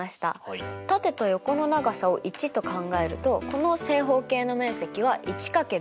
縦と横の長さを１と考えるとこの正方形の面積は１×１＝１ですよね。